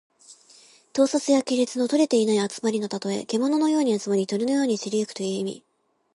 統率や規律のとれていない集まりのたとえ。けもののように集まり、鳥のように散り行くという意味。